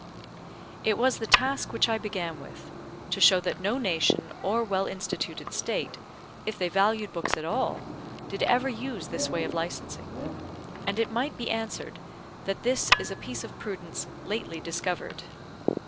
It was the task which I began with, to show that no nation, or well instituted state, if they valued books at all, did ever use this way of licensing; and it might be answered, that this is a piece of prudence lately discovered.